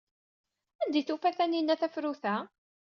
Anda ay tufa Taninna tafrut-a?